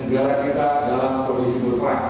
dia berbeda dari narasi pusat